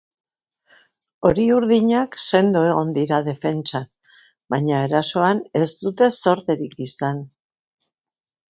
Hori-urdinak sendo egon dira defentsan, baina erasoan ez dute zorterik izan.